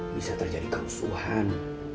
bisa terjadi keusuhan